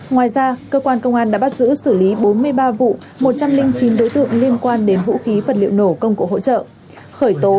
ngoài ra cơ quan công an đã bắt giữ xử lý bốn mươi ba vụ một trăm linh chín đối tượng liên quan đến vũ khí vật liệu nổ công cụ hỗ trợ